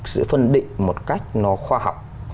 sự phân định một cách nó khoa học